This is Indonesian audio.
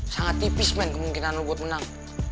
sangat tipis men kemungkinan lu buat menang